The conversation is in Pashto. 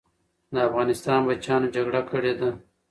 د افغانستان بچیانو جګړه کړې ده.